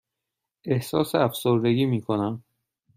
احساس افسردگی می کنم.